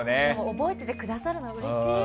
覚えていてくださるのうれしい！